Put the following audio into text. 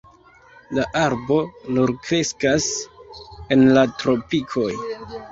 La arbo nur kreskas en la tropikoj.